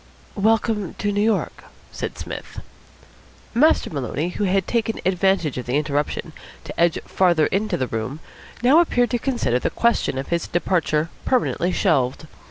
"Welcome to New York," said Psmith. Master Maloney, who had taken advantage of the interruption to edge farther into the room, now appeared to consider the question of his departure permanently shelved.